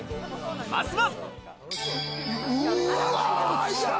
まずは。